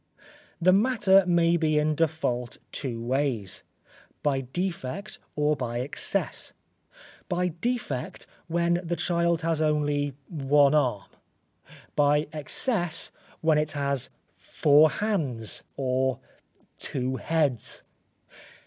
The matter may be in default two ways by defect or by excess: by defect, when the child has only one arm; by excess, when it has four hands or two heads.